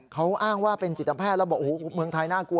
เขาอ้างว่าเป็นจิตแพทย์แล้วบอกโอ้โหเมืองไทยน่ากลัว